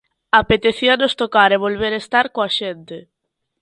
Apetecíanos tocar e volver estar coa xente.